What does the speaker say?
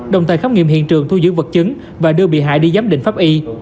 đồng thời khám nghiệm hiện trường thu giữ vật chứng và đưa bị hại đi giám định pháp y